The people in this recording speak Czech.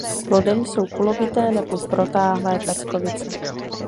Plodem jsou kulovité nebo protáhlé peckovice.